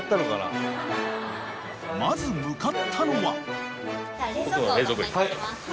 ［まず向かったのは］